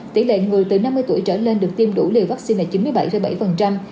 tỷ lệ người từ năm mươi tuổi trở lên được tiêm đủ liều vaccine là chín mươi bảy bảy